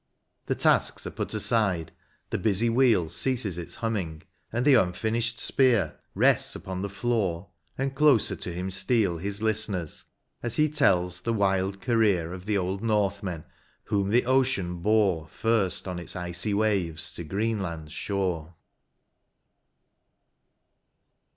Tho tasks are put aside, the busy wheel Ceases its humming, and the unfinished spear Bests on the floor, and closer to him steal His listeners, as h^ tells the wild career Of the old northmen, whom the ocean bore First on its icy waves to Greenland's shore.